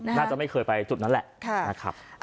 น่าจะไม่เคยไปจุดนั้นแหละนะครับ